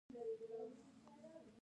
کامې ولسوالۍ شنه ده؟